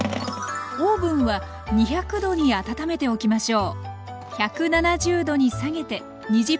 オーブンは２００℃に温めておきましょう。